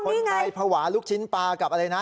นี่ไงคนไทยภวาลูกชิ้นปลากับอะไรนะ